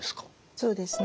そうですね。